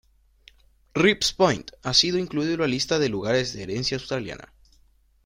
Reeves Point ha sido incluido en la lista de Lugares de Herencia Australiana.